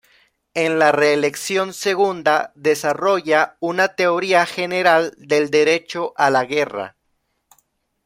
En la reelección segunda desarrolla una teoría general del derecho a la guerra.